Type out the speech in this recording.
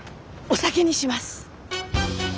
お酒にします！